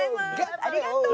ありがとう！